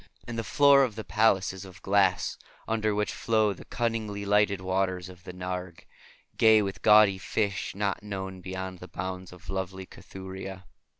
And the floor of the palace is of glass, under which flow the cunningly lighted waters of the Narg, gay with gaudy fish not known beyond the bounds of lovely Cathuria."